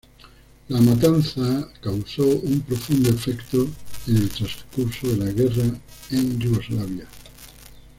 La matanza causó un profundo efecto en el transcurso de la guerra en Yugoslavia.